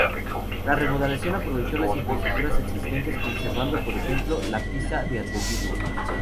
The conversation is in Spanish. La remodelación aprovecho las infraestructuras existentes, conservando por ejemplo la pista de atletismo.